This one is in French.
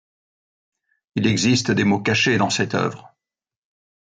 Il existe des mots cachés dans cette œuvre.